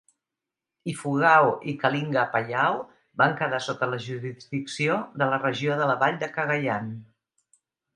Ifugao i Kalinga-Apayao van quedar sota la jurisdicció de la regió de la vall de Cagayan.